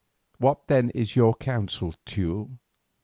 "What then is your counsel, Teule?